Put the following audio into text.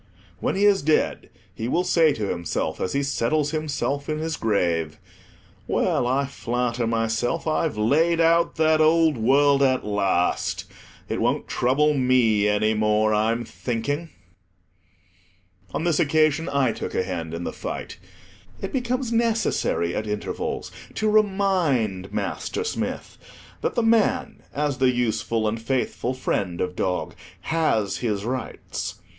When he is dead, he will say to himself, as he settles himself in his grave—"Well, I flatter myself I've laid out that old world at last. It won't trouble me any more, I'm thinking." On this occasion, I took a hand in the fight. It becomes necessary at intervals to remind Master Smith that the man, as the useful and faithful friend of dog, has his rights.